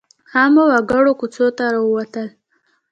عامو وګړو کوڅو ته راووتل.